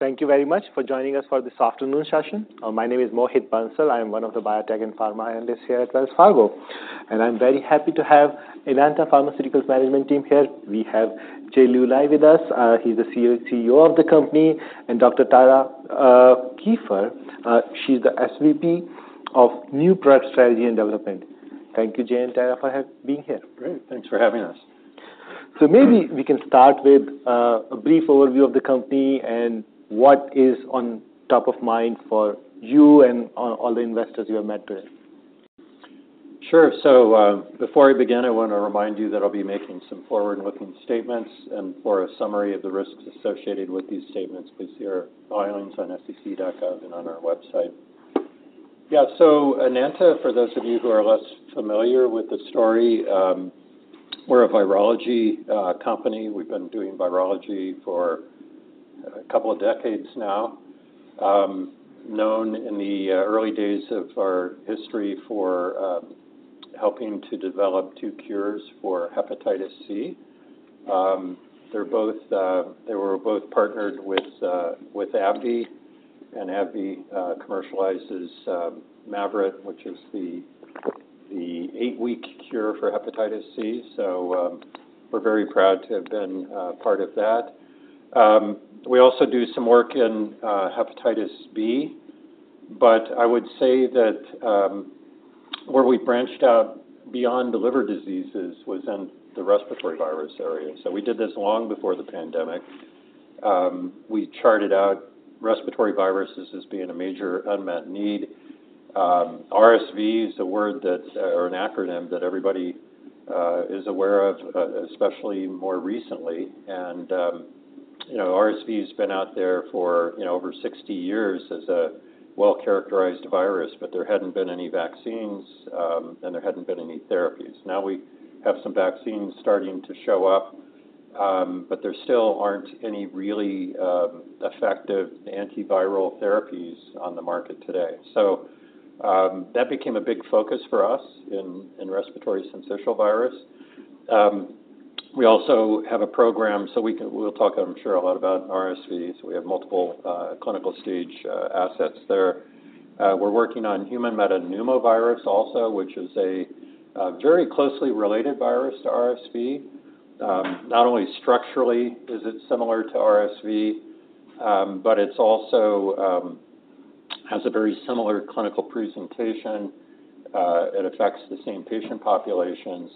Thank you very much for joining us for this afternoon session. My name is Mohit Bansal. I am one of the biotech and pharma analysts here at Wells Fargo, and I'm very happy to have Enanta Pharmaceuticals management team here. We have Jay Luly with us. He's the CEO, CEO of the company, and Dr. Tara Kieffer, she's the SVP of New Product Strategy and Development. Thank you, Jay and Tara, for being here. Great! Thanks for having us. So maybe we can start with a brief overview of the company and what is on top of mind for you and all the investors you have met with. Sure. Before I begin, I want to remind you that I'll be making some forward-looking statements, and for a summary of the risks associated with these statements, please see our filings on sec.gov and on our website. Yeah, Enanta, for those of you who are less familiar with the story, we're a virology company. We've been doing virology for a couple of decades now. Known in the early days of our history for helping to develop two cures for hepatitis C. They were both partnered with AbbVie, and AbbVie commercializes Mavyret, which is the eight-week cure for hepatitis C. We're very proud to have been part of that. We also do some work in hepatitis B. But I would say that, where we branched out beyond the liver diseases was in the respiratory virus area, so we did this long before the pandemic. We charted out respiratory viruses as being a major unmet need. RSV is a word that, or an acronym that everybody, is aware of, especially more recently. And, you know, RSV has been out there for, you know, over 60 years as a well-characterized virus, but there hadn't been any vaccines, and there hadn't been any therapies. Now, we have some vaccines starting to show up, but there still aren't any really, effective antiviral therapies on the market today. So, that became a big focus for us in respiratory syncytial virus. We also have a program, so we can-- we'll talk, I'm sure, a lot about RSV, so we have multiple, clinical stage, assets there. We're working on human metapneumovirus also, which is a very closely related virus to RSV. Not only structurally is it similar to RSV, but it's also has a very similar clinical presentation, it affects the same patient populations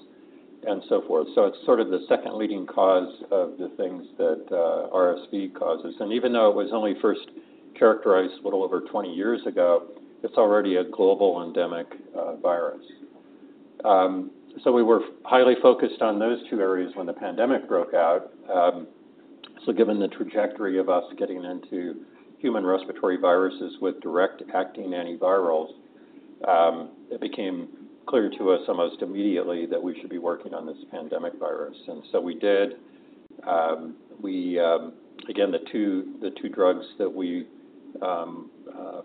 and so forth. So it's sort of the second leading cause of the things that RSV causes. And even though it was only first characterized a little over 20 years ago, it's already a global endemic, virus. So we were highly focused on those two areas when the pandemic broke out. So given the trajectory of us getting into human respiratory viruses with direct-acting antivirals, it became clear to us almost immediately that we should be working on this pandemic virus, and so we did. We, again, the two, the two drugs that we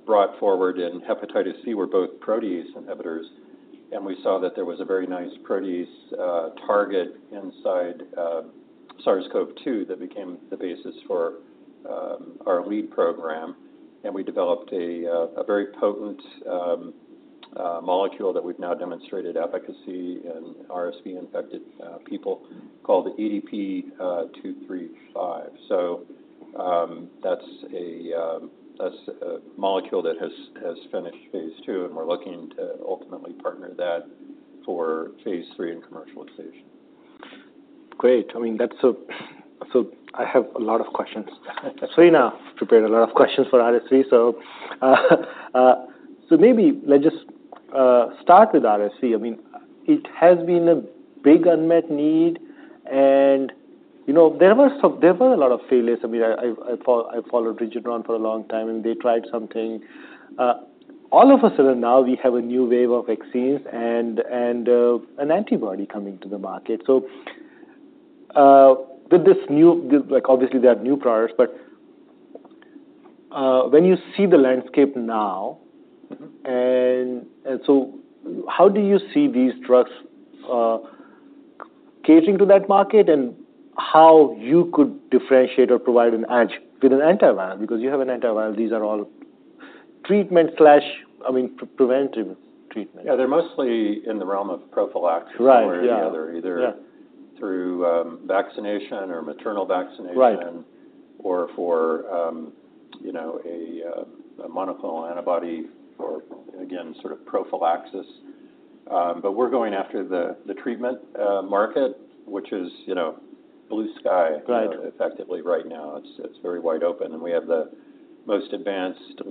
brought forward in hepatitis C were both protease inhibitors, and we saw that there was a very nice protease target inside SARS-CoV-2 that became the basis for our lead program. And we developed a very potent molecule that we've now demonstrated efficacy in RSV-infected people, called EDP-235. So, that's a molecule that has finished phase 2, and we're looking to ultimately partner that for phase 3 and commercialization. Great. I mean, that's so... So I have a lot of questions. So we now prepared a lot of questions for RSV. So, so maybe let's just start with RSV. I mean, it has been a big unmet need, and, you know, there were some, there were a lot of failures. I mean, I followed Regeneron for a long time, and they tried something. All of a sudden, now we have a new wave of vaccines and an antibody coming to the market. So, with this new... Like, obviously, they have new products, but, when you see the landscape now- Mm-hmm. So how do you see these drugs catering to that market, and how you could differentiate or provide an edge with an antiviral? Because you have an antiviral, these are all treatment slash, I mean, preventive treatment. Yeah, they're mostly in the realm of prophylaxis- Right, yeah - one way or the other. Yeah. Either through, vaccination or maternal vaccination- Right... or for, you know, a monoclonal antibody or, again, sort of prophylaxis. But we're going after the treatment market, which is, you know, blue sky- Right - effectively right now. It's, it's very wide open, and we have the most advanced,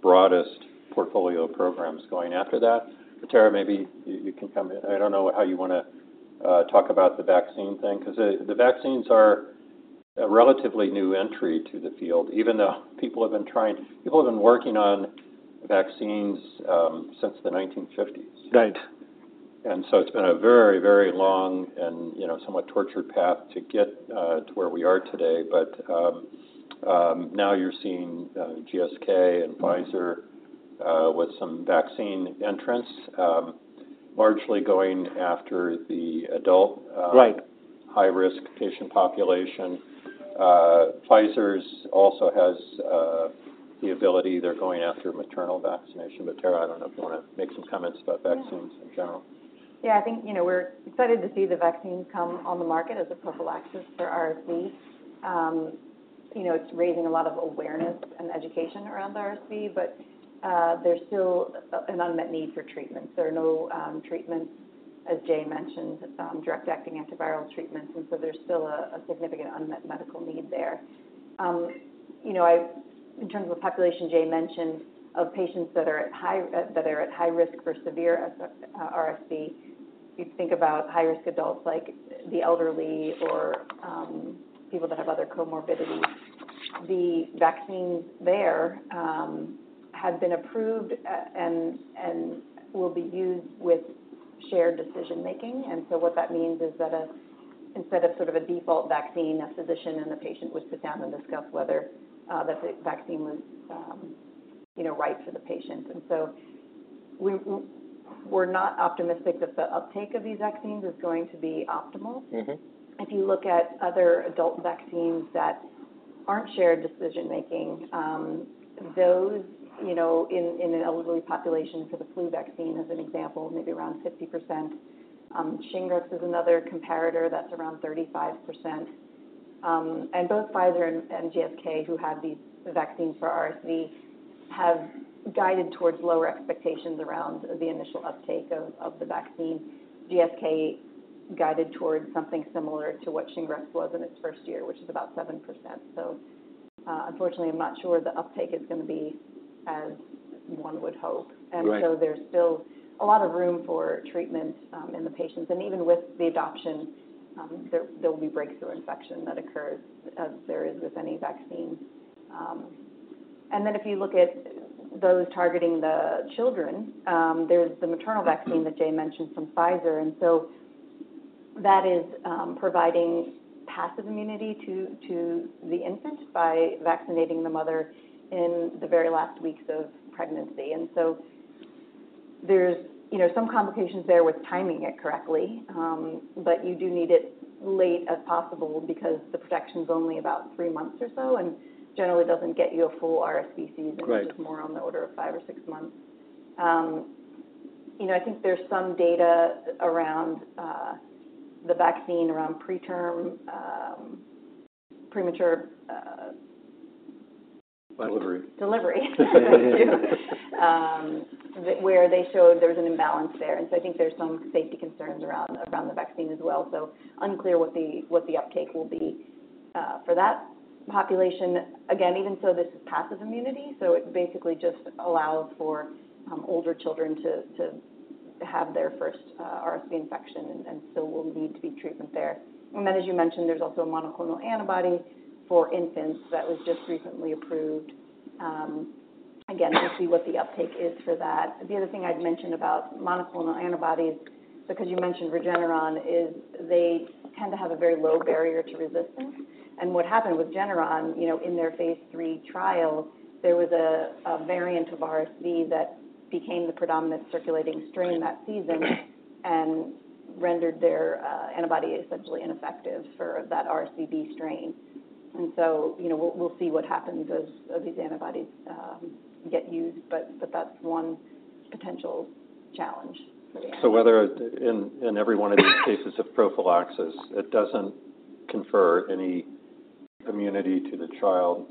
broadest portfolio of programs going after that. Tara, maybe you, you can come in. I don't know how you want to talk about the vaccine thing, 'cause the, the vaccines are a relatively new entry to the field, even though people have been trying... People have been working on vaccines, since the 1950s. Right. And so it's been a very, very long and, you know, somewhat tortured path to get to where we are today. But now you're seeing GSK and Pfizer with some vaccine entrants. Largely going after the adult- Right. high-risk patient population. Pfizer also has the ability, they're going after maternal vaccination. But, Tara, I don't know if you want to make some comments about vaccines in general. Yeah, I think, you know, we're excited to see the vaccine come on the market as a prophylaxis for RSV. You know, it's raising a lot of awareness and education around RSV, but there's still an unmet need for treatments. There are no treatments, as Jay mentioned, direct-acting antiviral treatments, and so there's still a significant unmet medical need there. You know, in terms of population, Jay mentioned of patients that are at high, that are at high risk for severe RSV, you'd think about high-risk adults, like the elderly or people that have other comorbidities. The vaccines there have been approved, and will be used with shared decision-making. And so what that means is that, instead of sort of a default vaccine, a physician and the patient would sit down and discuss whether the vaccine was, you know, right for the patient. And so we're not optimistic that the uptake of these vaccines is going to be optimal. Mm-hmm. If you look at other adult vaccines that aren't shared decision-making, those, you know, in an elderly population, for the flu vaccine, as an example, maybe around 50%. Shingrix is another comparator that's around 35%. And both Pfizer and GSK, who have these vaccines for RSV, have guided towards lower expectations around the initial uptake of the vaccine. GSK guided towards something similar to what Shingrix was in its first year, which is about 7%. So, unfortunately, I'm not sure the uptake is going to be as one would hope. Right. And so there's still a lot of room for treatment in the patients. And even with the adoption, there, there'll be breakthrough infection that occurs, as there is with any vaccine. And then if you look at those targeting the children, there's the maternal vaccine that Jay mentioned from Pfizer, and so that is providing passive immunity to, to the infant by vaccinating the mother in the very last weeks of pregnancy. And so there's, you know, some complications there with timing it correctly, but you do need it late as possible because the protection's only about three months or so, and generally doesn't get you a full RSV season- Right... which is more on the order of five or six months. You know, I think there's some data around the vaccine, around preterm premature. Delivery. Delivery, where they showed there was an imbalance there, and so I think there's some safety concerns around the vaccine as well. So unclear what the uptake will be for that population. Again, even so, this is passive immunity, so it basically just allows for older children to have their first RSV infection, and so will need to be treatment there. And then, as you mentioned, there's also a monoclonal antibody for infants that was just recently approved. Again, we'll see what the uptake is for that. The other thing I'd mention about monoclonal antibodies, because you mentioned Regeneron, is they tend to have a very low barrier to resistance. What happened with Regeneron, you know, in their phase three trial, there was a variant of RSV that became the predominant circulating strain that season, and rendered their antibody essentially ineffective for that RSV strain. So, you know, we'll see what happens as these antibodies get used, but that's one potential challenge for the antibody. Whether in every one of these cases of prophylaxis, it doesn't confer any immunity to the child.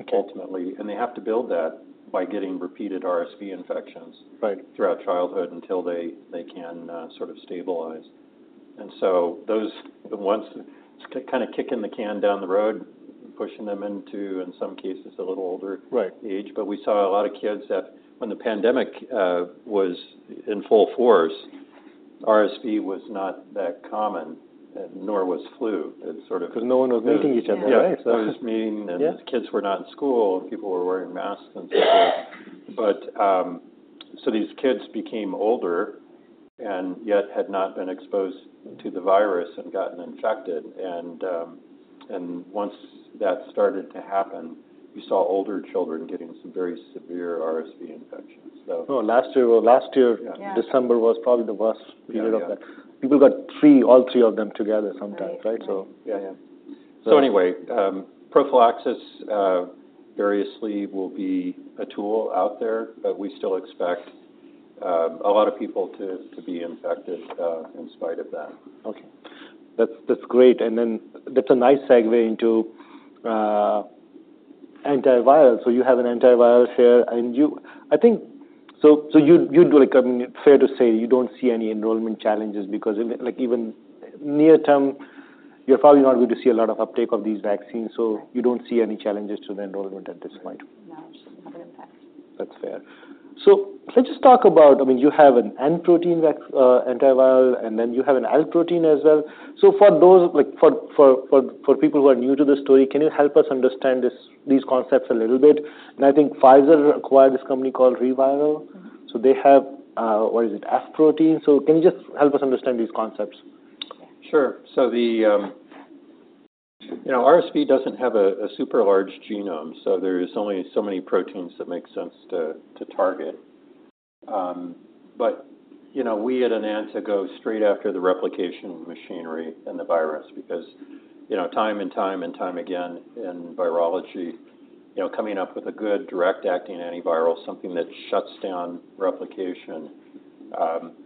Okay... ultimately, and they have to build that by getting repeated RSV infections- Right throughout childhood until they can sort of stabilize. And so those, the ones kind of kicking the can down the road, pushing them into, in some cases, a little older- Right -age. But we saw a lot of kids that when the pandemic was in full force, RSV was not that common, nor was flu. It sort of- Because no one was meeting each other, right? Yeah, that was meaning- Yeah... that kids were not in school, and people were wearing masks and things. But, so these kids became older and yet had not been exposed to the virus and gotten infected. And once that started to happen, you saw older children getting some very severe RSV infections. So- No, last year, well, last year- Yeah. December was probably the worst period of that. Yeah, yeah. People got three, all three of them together sometimes- Right... right? So yeah. Yeah. So anyway, prophylaxis variously will be a tool out there, but we still expect a lot of people to be infected in spite of that. Okay. That's, that's great. And then that's a nice segue into antiviral. So you have an antiviral here. So you'd do, like, I mean, fair to say you don't see any enrollment challenges, because in the, like, even near term, you're probably not going to see a lot of uptake of these vaccines. Right. So you don't see any challenges to the enrollment at this point? No, it shouldn't have an impact. That's fair. So let's just talk about... I mean, you have an N protein antiviral, and then you have an L protein as well. So for those, like for people who are new to the story, can you help us understand this, these concepts a little bit? And I think Pfizer acquired this company called ReViral. Mm-hmm. So they have, what is it? F protein. So can you just help us understand these concepts? Sure. So, you know, RSV doesn't have a super large genome, so there's only so many proteins that make sense to target. But, you know, we at Enanta go straight after the replication machinery and the virus because, you know, time and time and time again in virology, you know, coming up with a good direct-acting antiviral, something that shuts down replication,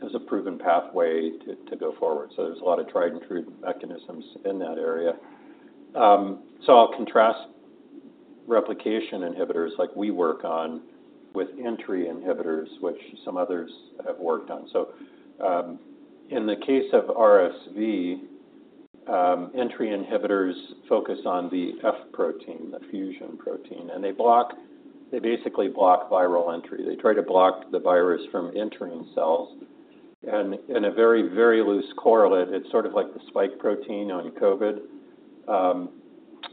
is a proven pathway to go forward. So there's a lot of tried and true mechanisms in that area. So I'll contrast replication inhibitors like we work on with entry inhibitors, which some others have worked on. So, in the case of RSV, entry inhibitors focus on the F protein, the fusion protein, and they block, they basically block viral entry. They try to block the virus from entering cells, and in a very, very loose correlate, it's sort of like the spike protein on COVID.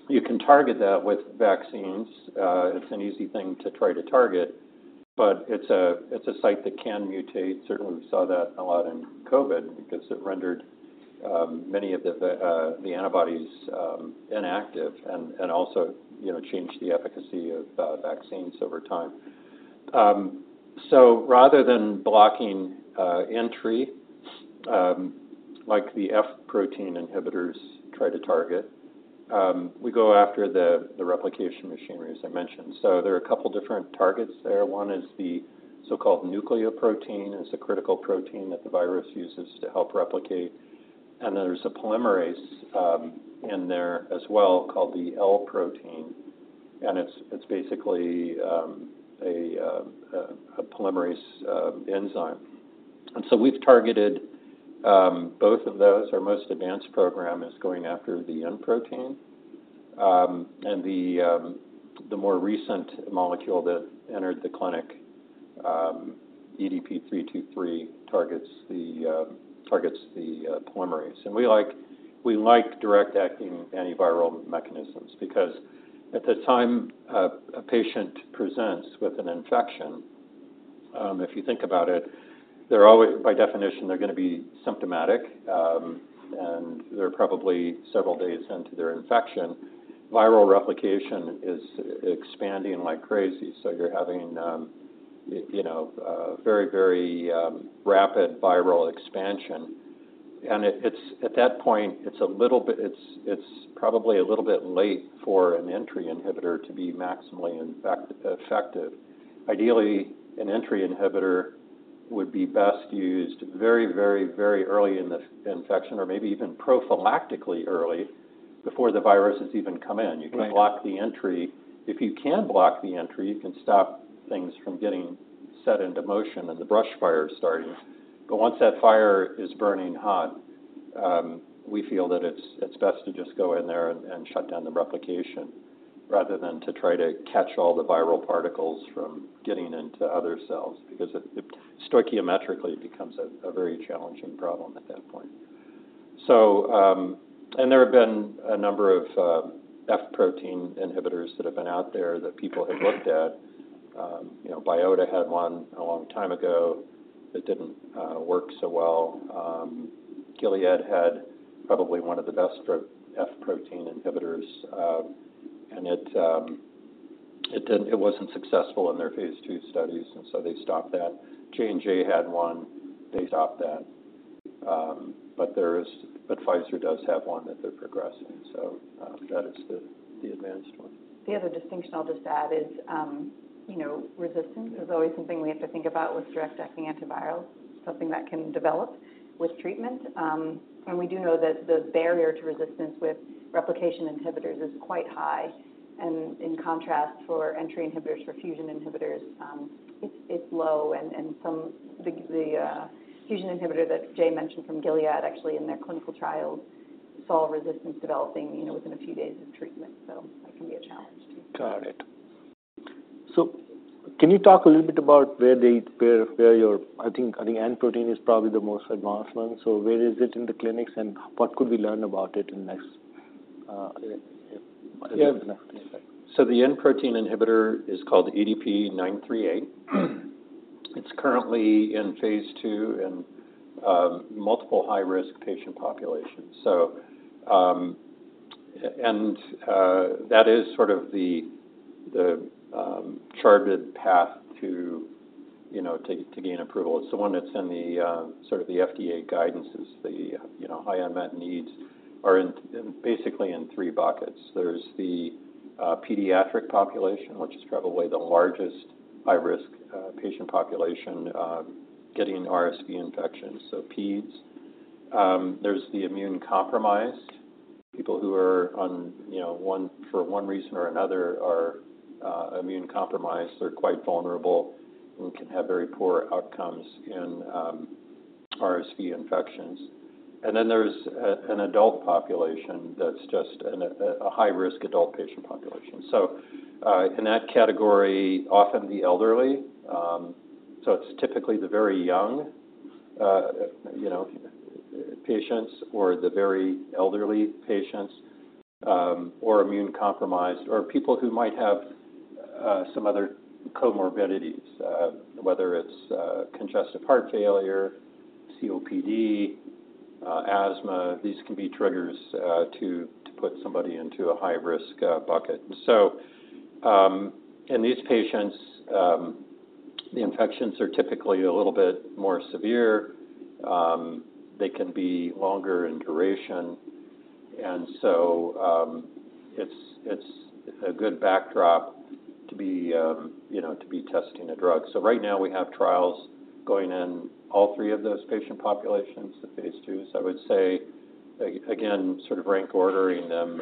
You can target that with vaccines. It's an easy thing to try to target, but it's a site that can mutate. Certainly, we saw that a lot in COVID because it rendered many of the antibodies inactive and also, you know, changed the efficacy of vaccines over time. So rather than blocking entry like the F protein inhibitors try to target, we go after the replication machinery, as I mentioned. So there are a couple different targets there. One is the so-called nucleoprotein. It's a critical protein that the virus uses to help replicate, and there's a polymerase in there as well, called the L protein, and it's basically a polymerase enzyme. And so we've targeted both of those. Our most advanced program is going after the N protein. And the more recent molecule that entered the clinic, EDP-323, targets the polymerase. And we like direct-acting antiviral mechanisms because at the time a patient presents with an infection, if you think about it, they're always... By definition, they're going to be symptomatic, and they're probably several days into their infection. Viral replication is expanding like crazy, so you're having, you know, a very, very rapid viral expansion. At that point, it's probably a little bit late for an entry inhibitor to be maximally effective. Ideally, an entry inhibitor would be best used very, very, very early in the infection, or maybe even prophylactically early, before the virus has even come in. Right. You can block the entry. If you can block the entry, you can stop things from getting set into motion and the brush fire starting. But once that fire is burning hot, we feel that it's best to just go in there and shut down the replication rather than to try to catch all the viral particles from getting into other cells, because it stoichiometrically becomes a very challenging problem at that point. So, and there have been a number of F protein inhibitors that have been out there that people have looked at. You know, Biota had one a long time ago that didn't work so well. Gilead had probably one of the best pre-F protein inhibitors, and it didn't... It wasn't successful in their phase two studies, and so they stopped that. J&J had one. They stopped that. But Pfizer does have one that they're progressing, so that is the advanced one. The other distinction I'll just add is, you know, resistance- Yeah is always something we have to think about with direct-acting antivirals, something that can develop with treatment. And we do know that the barrier to resistance with replication inhibitors is quite high, and in contrast, for entry inhibitors, for fusion inhibitors, it's low. The fusion inhibitor that Jay mentioned from Gilead, actually, in their clinical trials, saw resistance developing, you know, within a few days of treatment. So that can be a challenge, too. Got it. So can you talk a little bit about where your... I think N protein is probably the most advanced one, so where is it in the clinics, and what could we learn about it in the next? Yeah. The N protein inhibitor is called EDP-938. It's currently in phase 2 in multiple high-risk patient populations. That is sort of the charted path to, you know, to gain approval. It's the one that's in the sort of the FDA guidances, the, you know, high unmet needs are in basically in three buckets. There's the pediatric population, which is probably the largest high-risk patient population, you know, getting RSV infections, so peds. There's the immunocompromised, people who are on, you know, for one reason or another, are immunocompromised. They're quite vulnerable and can have very poor outcomes in RSV infections. And then there's an adult population that's just a high-risk adult patient population. In that category, often the elderly. So it's typically the very young, you know, patients or the very elderly patients, or immunocompromised, or people who might have some other comorbidities, whether it's congestive heart failure, COPD, asthma, these can be triggers to put somebody into a high-risk bucket. So, in these patients, the infections are typically a little bit more severe. They can be longer in duration, and so, it's a good backdrop to be, you know, to be testing a drug. So right now, we have trials going in all three of those patient populations, the phase 2s. I would say, again, sort of rank ordering them,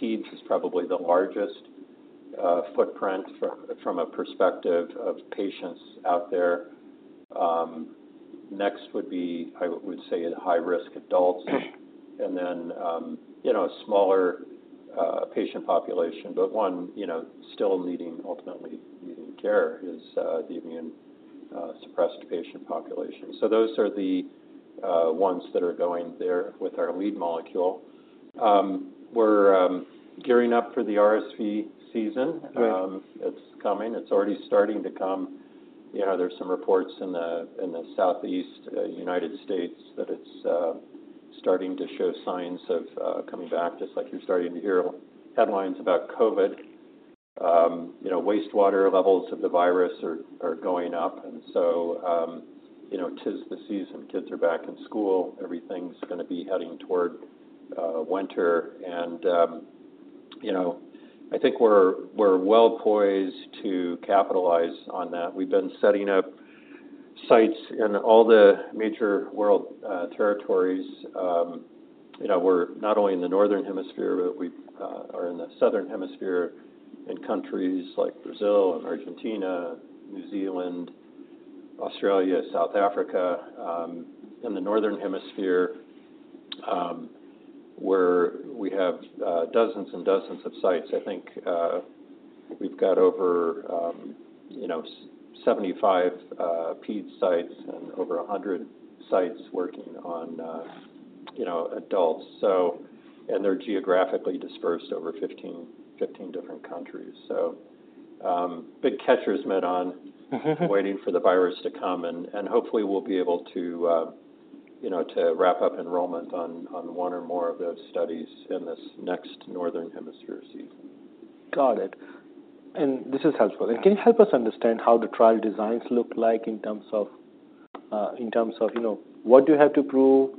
peds is probably the largest footprint from a perspective of patients out there. Next would be, I would say, high-risk adults, and then, you know, a smaller patient population, but one, you know, still ultimately needing care is the immunosuppressed patient population. So those are the ones that are going there with our lead molecule. We're gearing up for the RSV season. Right. It's coming. It's already starting to come. You know, there's some reports in the, in the Southeast, United States that it's starting to show signs of coming back, just like you're starting to hear headlines about COVID. You know, wastewater levels of the virus are going up, and so, you know, 'tis the season. Kids are back in school. Everything's gonna be heading toward winter and, you know, I think we're well poised to capitalize on that. We've been setting up sites in all the major world territories. You know, we're not only in the Northern Hemisphere, but we are in the Southern Hemisphere, in countries like Brazil and Argentina, New Zealand, Australia, South Africa. In the Northern Hemisphere, where we have dozens and dozens of sites. I think, we've got over, you know, 75 ped sites and over 100 sites working on, you know, adults, so. And they're geographically dispersed over 15, 15 different countries. So, big catcher's mitt on waiting for the virus to come, and, and hopefully we'll be able to, you know, to wrap up enrollment on, on one or more of those studies in this next Northern Hemisphere season. Got it, and this is helpful. Can you help us understand how the trial designs look like in terms of, you know, what do you have to prove,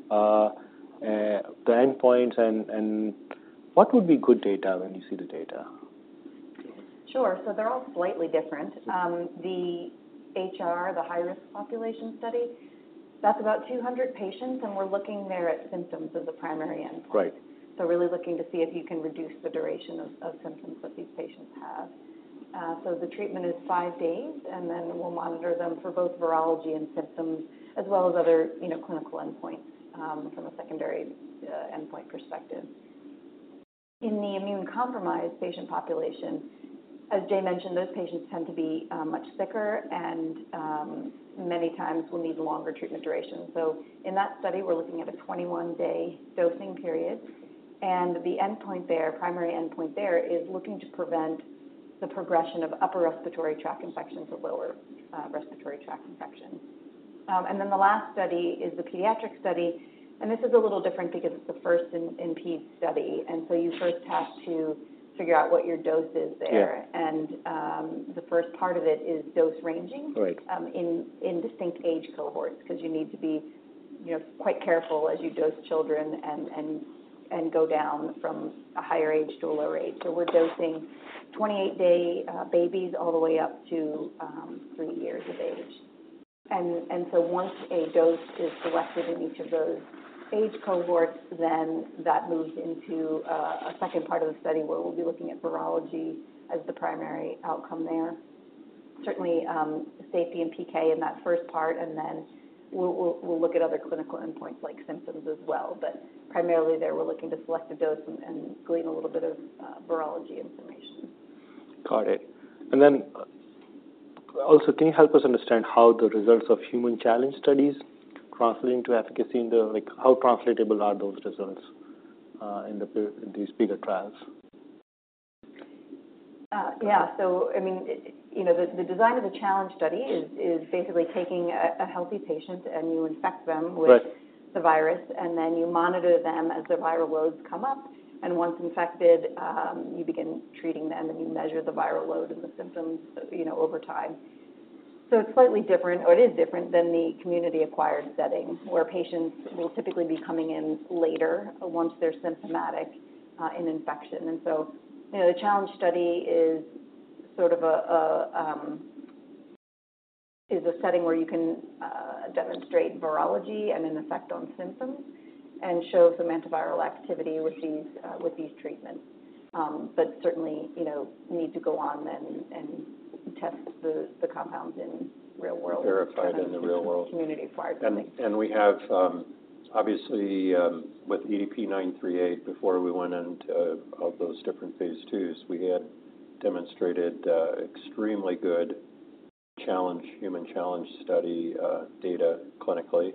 the endpoints and what would be good data when you see the data? Sure. So they're all slightly different. The HR, the high-risk population study, that's about 200 patients, and we're looking there at symptoms as the primary endpoint. Right. So really looking to see if you can reduce the duration of symptoms that these patients have. So the treatment is 5 days, and then we'll monitor them for both virology and symptoms, as well as other, you know, clinical endpoints from a secondary endpoint perspective. In the immunocompromised patient population, as Jay mentioned, those patients tend to be much sicker and many times will need longer treatment duration. So in that study, we're looking at a 21-day dosing period, and the endpoint there, primary endpoint there, is looking to prevent the progression of upper respiratory tract infections or lower respiratory tract infections. And then the last study is the pediatric study, and this is a little different because it's the first in ped study, and so you first have to figure out what your dose is there. Yeah. The first part of it is dose ranging- Right... in distinct age cohorts, 'cause you need to be, you know, quite careful as you dose children and go down from a higher age to a lower age. So we're dosing 28-day babies all the way up to 3 years of age. So once a dose is selected in each of those age cohorts, then that moves into a second part of the study, where we'll be looking at virology as the primary outcome there. Certainly, safety and PK in that first part, and then we'll look at other clinical endpoints like symptoms as well. But primarily there, we're looking to select a dose and glean a little bit of virology information. Got it. And then, also, can you help us understand how the results of human challenge studies translate into efficacy in the... like, how translatable are those results in these bigger trials? Yeah. So I mean, you know, the design of the challenge study is basically taking a healthy patient, and you infect them with- Right... the virus, and then you monitor them as the viral loads come up, and once infected, you begin treating them, and you measure the viral load and the symptoms, you know, over time. So it's slightly different, or it is different than the community-acquired setting, where patients will typically be coming in later, once they're symptomatic, in infection. And so, you know, the challenge study is sort of a setting where you can demonstrate virology and an effect on symptoms and show some antiviral activity with these, with these treatments. But certainly, you know, need to go on then and test the compounds in real world- Verify it in the real world. community-acquired setting. We have obviously with EDP-938, before we went into all those different phase 2s, we had demonstrated extremely good challenge human challenge study data clinically.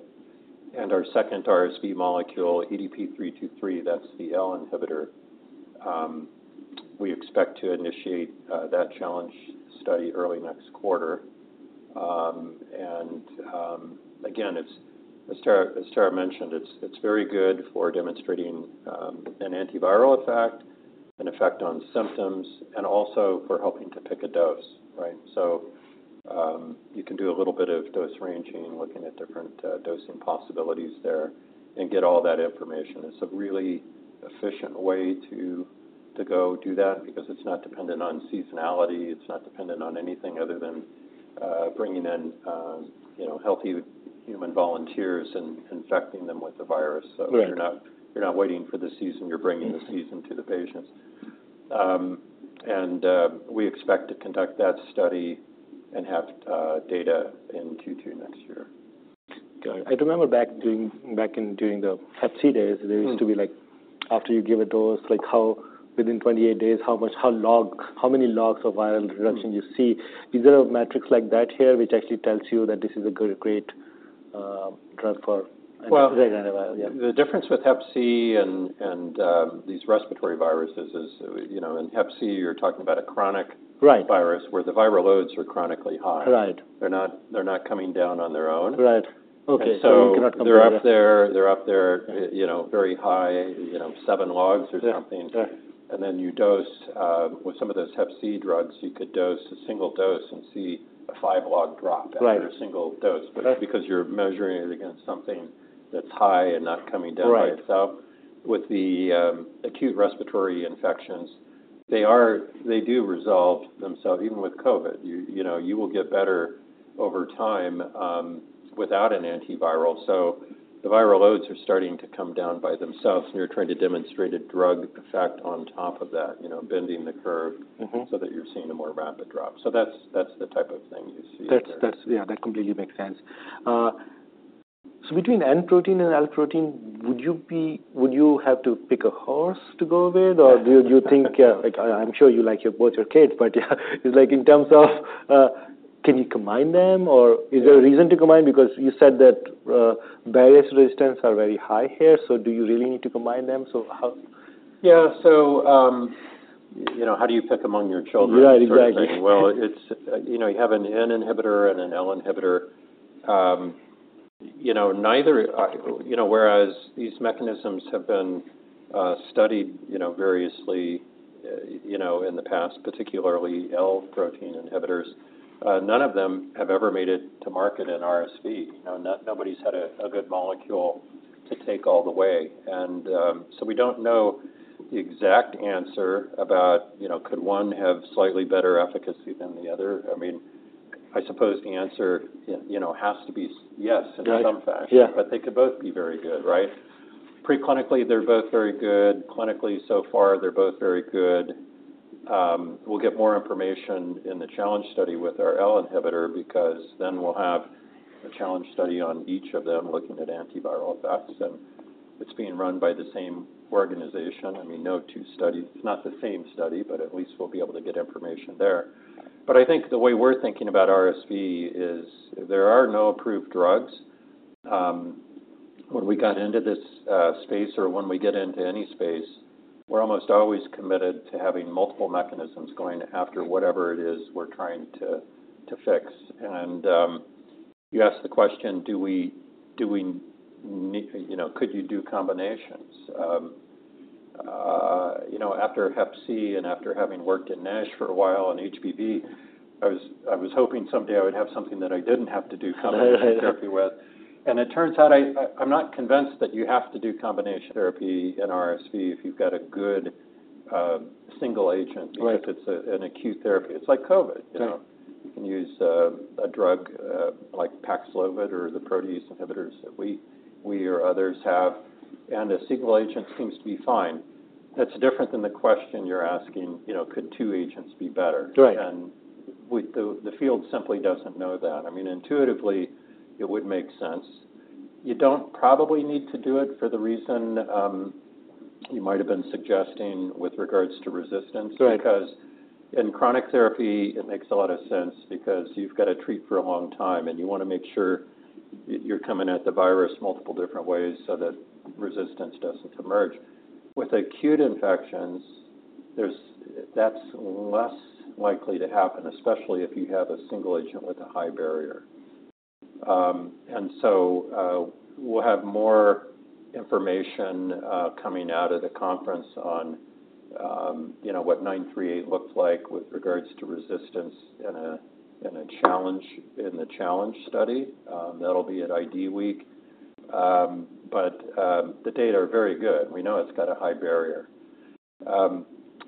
And our second RSV molecule, EDP-323, that's the L inhibitor. We expect to initiate that challenge study early next quarter. And again, it's as Tara mentioned, it's very good for demonstrating an antiviral effect, an effect on symptoms, and also for helping to pick a dose, right? So you can do a little bit of dose ranging, looking at different dosing possibilities there, and get all that information. It's a really efficient way to go do that because it's not dependent on seasonality, it's not dependent on anything other than bringing in you know healthy human volunteers and infecting them with the virus. Right. So you're not, you're not waiting for the season, you're bringing the season to the patients. We expect to conduct that study and have data in Q2 next year. Got it. I remember back during the Hep C days- Mm. There used to be like, after you give a dose, like how within 28 days, how much... how many logs of viral reduction. Mm. -you see? Is there a metric like that here, which actually tells you that this is a good, great, drug for- Well- -antiviral? Yeah. The difference with Hep C and these respiratory viruses is, you know, in Hep C, you're talking about a chronic- Right -virus, where the viral loads are chronically high. Right. They're not, they're not coming down on their own. Right. Okay, so you cannot compare them. And so they're up there... Yeah... you know, very high, you know, 7 logs or something. Yeah, right. And then you dose with some of those Hep C drugs, you could dose a single dose and see a five-log drop- Right -after a single dose. Right. But because you're measuring it against something that's high and not coming down by itself- Right... With the acute respiratory infections, they do resolve themselves, even with COVID. You know, you will get better over time without an antiviral. So the viral loads are starting to come down by themselves, and you're trying to demonstrate a drug effect on top of that, you know, bending the curve- Mm-hmm... so that you're seeing a more rapid drop. So that's, that's the type of thing you see there. Yeah, that completely makes sense. So between N protein and L protein, would you have to pick a horse to go with? Or do you think... I'm sure you like both your kids, but yeah, like in terms of, can you combine them, or is there a reason to combine? Because you said that viral resistance are very high here, so do you really need to combine them? So how- Yeah. So, you know, how do you pick among your children? Right, exactly... sort of thing? Well, it's, you know, you have an N inhibitor and an L inhibitor. You know, neither, you know... Whereas these mechanisms have been studied, you know, variously, you know, in the past, particularly L protein inhibitors, none of them have ever made it to market in RSV. You know, nobody's had a good molecule to take all the way. And, so we don't know the exact answer about, you know, could one have slightly better efficacy than the other? I mean, I suppose the answer, you know, has to be yes- Right in some fashion. Yeah. But they could both be very good, right? Preclinically, they're both very good. Clinically, so far, they're both very good. We'll get more information in the challenge study with our L inhibitor, because then we'll have a challenge study on each of them looking at antiviral effects, and it's being run by the same organization. I mean, no two studies... It's not the same study, but at least we'll be able to get information there. But I think the way we're thinking about RSV is, there are no approved drugs. When we got into this space or when we get into any space, we're almost always committed to having multiple mechanisms going after whatever it is we're trying to fix. And, you asked the question, "Do we, you know, could you do combinations?" You know, after Hep C and after having worked in NASH for a while, and HBV, I was hoping someday I would have something that I didn't have to do combination therapy with. And it turns out I, I'm not convinced that you have to do combination therapy in RSV if you've got a good single agent- Right If it's an acute therapy. It's like COVID, you know? Right. You can use a drug like Paxlovid or the protease inhibitors that we or others have, and a single agent seems to be fine. That's different than the question you're asking, you know, could two agents be better? Right. The field simply doesn't know that. I mean, intuitively, it would make sense. You don't probably need to do it for the reason you might have been suggesting with regards to resistance. Right. Because in chronic therapy, it makes a lot of sense because you've got to treat for a long time, and you want to make sure you're coming at the virus multiple different ways so that resistance doesn't emerge. With acute infections, there's... That's less likely to happen, especially if you have a single agent with a high barrier. And so, we'll have more information coming out of the conference on, you know, what 938 looks like with regards to resistance in a, in a challenge, in the challenge study. That'll be at IDWeek. But, the data are very good. We know it's got a high barrier.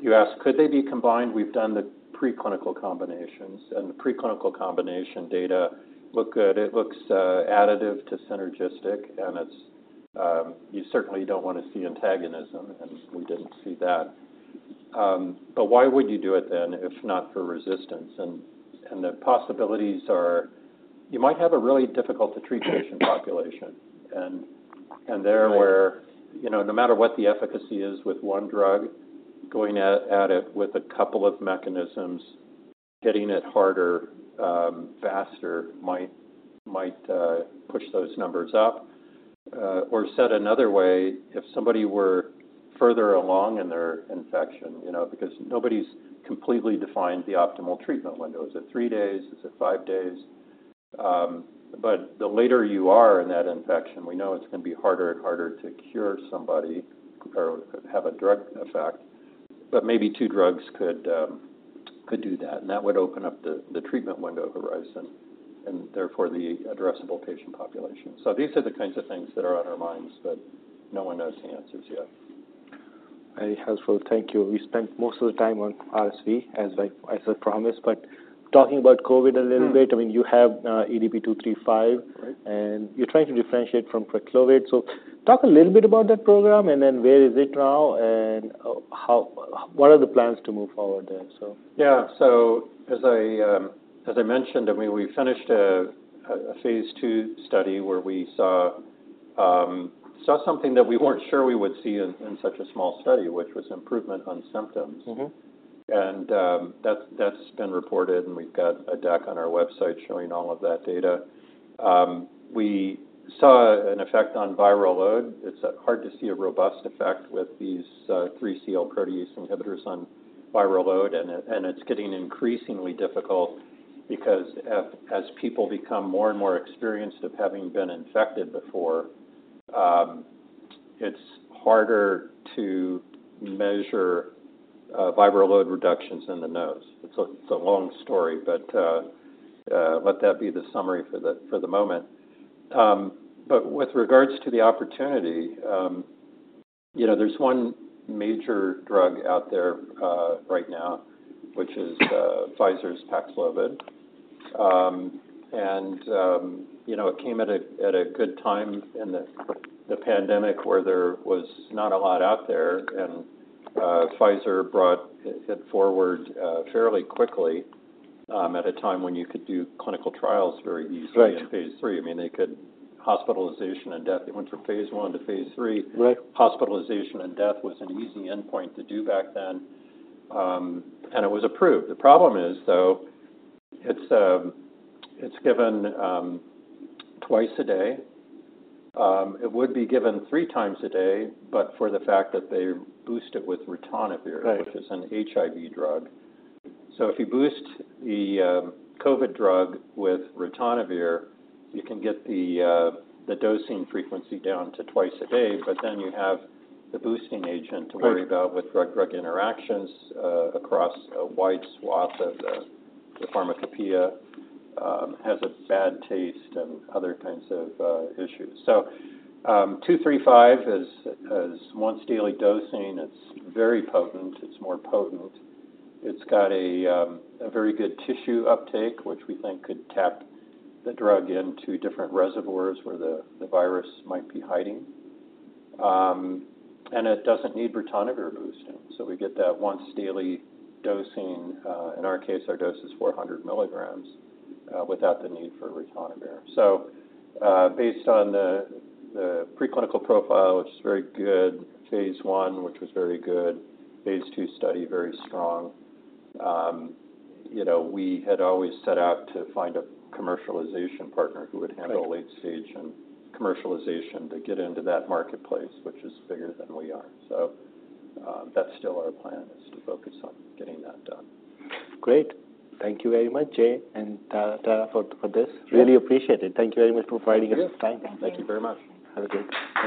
You asked, could they be combined? We've done the preclinical combinations, and the preclinical combination data look good. It looks additive to synergistic, and it's... You certainly don't want to see antagonism, and we didn't see that. But why would you do it then, if not for resistance? The possibilities are you might have a really difficult to treat patient population. And there where, you know, no matter what the efficacy is with one drug, going at it with a couple of mechanisms, hitting it harder, faster might push those numbers up. Or said another way, if somebody were further along in their infection, you know, because nobody's completely defined the optimal treatment window. Is it 3 days? Is it 5 days? But the later you are in that infection, we know it's gonna be harder and harder to cure somebody or have a drug effect. But maybe two drugs could do that, and that would open up the treatment window horizon and therefore the addressable patient population. So these are the kinds of things that are on our minds, but no one knows the answers yet. Very helpful. Thank you. We spent most of the time on RSV, as I promised, but talking about COVID a little bit. Mm. I mean, you have EDP-235. Right. You're trying to differentiate from Paxlovid. So talk a little bit about that program, and then where is it now, and what are the plans to move forward then, so? Yeah. So as I mentioned, I mean, we finished a phase 2 study where we saw something that we weren't sure we would see in such a small study, which was improvement on symptoms. Mm-hmm. And, that's, that's been reported, and we've got a deck on our website showing all of that data. We saw an effect on viral load. It's hard to see a robust effect with these 3CL protease inhibitors on viral load. And it's getting increasingly difficult because as people become more and more experienced of having been infected before, it's harder to measure viral load reductions in the nose. It's a long story, but let that be the summary for the moment. But with regards to the opportunity, you know, there's one major drug out there right now, which is Pfizer Paxlovid. You know, it came at a good time in the pandemic, where there was not a lot out there, and Pfizer brought it forward fairly quickly, at a time when you could do clinical trials very easily- Right... in phase 3. I mean, they could... Hospitalization and death, it went from phase 1 to phase 3. Right. Hospitalization and death was an easy endpoint to do back then, and it was approved. The problem is, though, it's given twice a day. It would be given three times a day, but for the fact that they boost it with ritonavir- Right... which is an HIV drug. So if you boost the COVID drug with ritonavir, you can get the dosing frequency down to twice a day, but then you have the boosting agent- Right to worry about with drug-drug interactions across a wide swath of the pharmacopoeia. Has a bad taste and other kinds of issues. So, 235 is once daily dosing. It's very potent. It's more potent. It's got a very good tissue uptake, which we think could tap the drug into different reservoirs where the virus might be hiding. And it doesn't need ritonavir boosting, so we get that once daily dosing. In our case, our dose is 400 milligrams without the need for ritonavir. So, based on the preclinical profile, which is very good, phase 1, which was very good, phase 2 study, very strong. You know, we had always set out to find a commercialization partner who would handle- Right late stage and commercialization to get into that marketplace, which is bigger than we are. So, that's still our plan, is to focus on getting that done. Great. Thank you very much, Jay, and Tara, for this. Yeah. Really appreciate it. Thank you very much for providing us the time. Yeah. Thank you. Thank you very much. Have a great day.